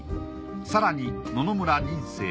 更に野々村仁清